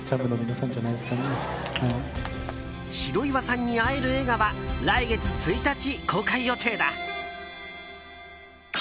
白岩さんに会える映画は来月１日公開予定だ。